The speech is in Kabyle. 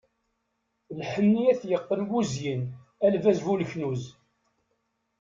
Lḥenni ad t-yeqqen wuzyin, a lbaz bu leknuz.